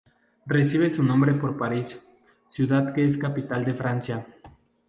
Recibe su nombre por París, ciudad que es capital de Francia.